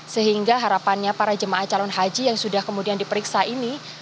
sehingga harapannya para jemaah calon haji yang sudah kemudian diperiksa ini